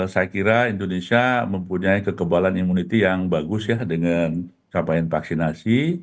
saya kira indonesia mempunyai kekebalan imunity yang bagus ya dengan capaian vaksinasi